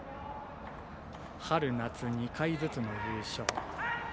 春夏２回ずつの優勝。